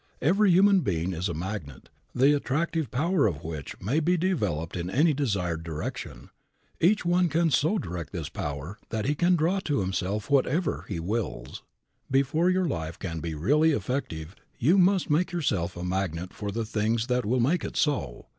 Every human being is a magnet, the attractive power of which may be developed in any desired direction. Each one can so direct this power that he can draw to himself whatever he wills. Before your life can be really effective you must make yourself a magnet for the things that will make it so.